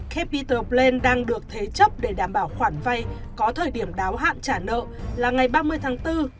capital bland đang được thế chấp để đảm bảo khoản vay có thời điểm đáo hạn trả nợ là ngày ba mươi tháng bốn